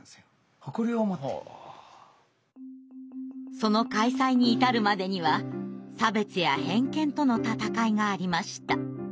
その開催に至るまでには差別や偏見との闘いがありました。